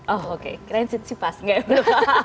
oh oke grand sipas nggak ya